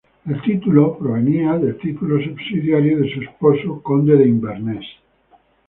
El título provenía del título subsidiario de su esposo, conde de Inverness.